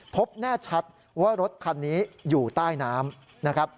พบแน่ชัดว่ารถคันนี้อยู่ใต้น้ำนะครับ